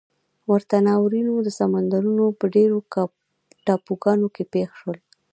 ورته ناورینونه د سمندرونو په ډېرو ټاپوګانو کې پېښ شول.